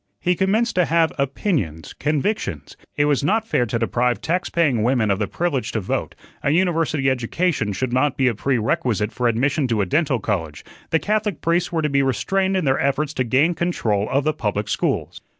He commenced to have opinions, convictions it was not fair to deprive tax paying women of the privilege to vote; a university education should not be a prerequisite for admission to a dental college; the Catholic priests were to be restrained in their efforts to gain control of the public schools.